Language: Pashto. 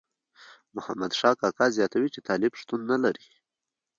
محمد شاه کاکا زیاتوي چې طالب شتون نه لري.